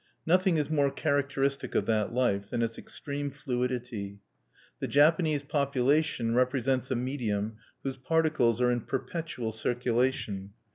Nothing is more characteristic of that life than its extreme fluidity. The Japanese population represents a medium whose particles are in perpetual circulation.